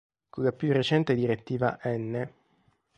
Con la più recente Direttiva n.